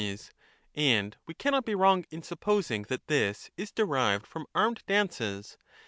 And we cannot be wrong in supposing that this is derived from armed dances.